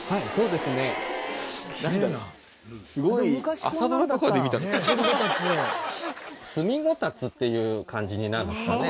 すごい。炭ごたつっていう感じになるんですね。